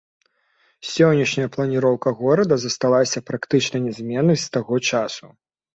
Сённяшняя планіроўка горада засталася практычна нязменнай з таго часу.